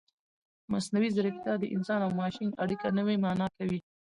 مصنوعي ځیرکتیا د انسان او ماشین اړیکه نوې مانا کوي.